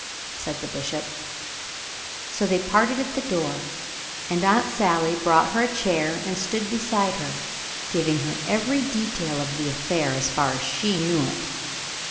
^" said the bishop. So they parted at the door, and Aunt Sally brought her a chair and stood beside her, giving her every detail of the affair as far as she knew it.